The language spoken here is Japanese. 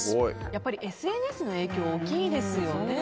やっぱりＳＮＳの影響が大きいですね。